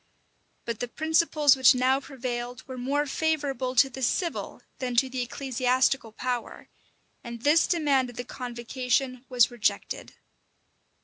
But the principles which now prevailed were more favorable to the civil than to the ecclesiastical power; and this demand of the convocation was rejected.